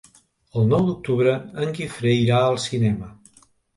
El nou d'octubre en Guifré irà al cinema.